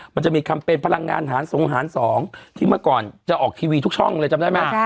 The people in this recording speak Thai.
มันจะมีแคมเปญพลังงานหารสงหาร๒ที่เมื่อก่อนจะออกทีวีทุกช่องเลยจำได้ไหม